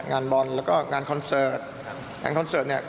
งานบอลแล้วก็งานคอนเสิร์ตงานคอนเสิร์ตเนี่ย